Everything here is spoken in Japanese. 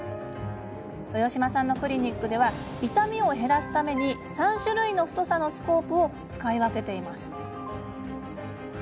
豊島さんのクリニックでは痛みを減らすために３種類の太さのスコープを使い分けています。